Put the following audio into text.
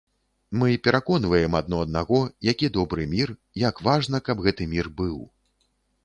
Мы пераконваем адно аднаго, які добры мір, як важна, каб гэты мір быў.